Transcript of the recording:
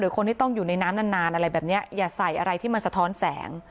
คนที่ต้องอยู่ในน้ำนานอะไรแบบนี้อย่าใส่อะไรที่มันสะท้อนแสง